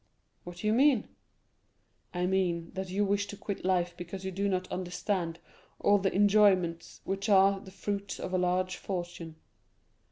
"What do you mean?" "I mean, that you wish to quit life because you do not understand all the enjoyments which are the fruits of a large fortune.